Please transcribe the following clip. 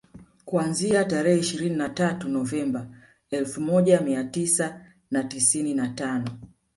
Kuanzia tarehe ishirini na tatu Novemba elfu moja Mia tisa na tisini na tano